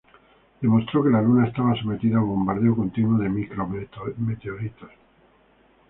Demostró que la Luna está sometida a bombardeo continuo de micrometeoritos.